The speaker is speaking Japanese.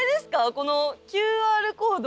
このＱＲコード。